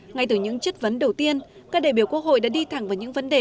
ngay từ những chất vấn đầu tiên các đại biểu quốc hội đã đi thẳng vào những vấn đề